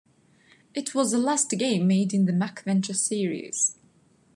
It was the last game made in the MacVenture series.